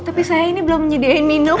bu tapi saya ini belum nyediain minum